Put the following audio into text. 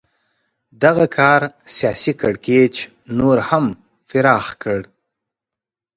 دغه کار سیاسي کړکېچ نور هم پراخ کړ.